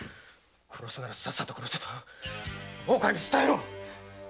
殺すならさっさと殺せと大岡に伝えろ！